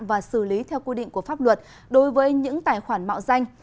và xử lý theo quy định của pháp luật đối với những tài khoản mạo danh